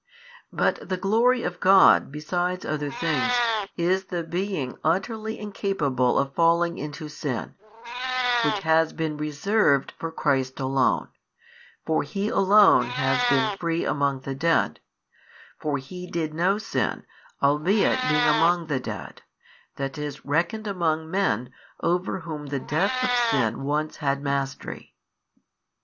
But the glory of God besides other things is the being utterly incapable of falling into sin, which has been reserved for Christ Alone, for He Alone has been free among the dead: for He did no sin albeit being among the dead, that is reckoned among men over whom the death of sin once had mastery.